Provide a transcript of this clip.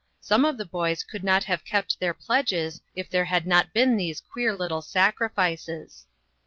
Some of the boys could not have kept their pledges if there had not been these queer little sacrifices.